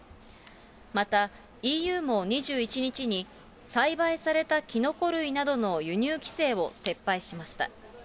またＥＵも２１日に、栽培されたきのこ類などの輸入規制を撤廃しました。